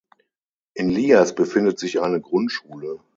In Lias befindet sich eine Grundschule.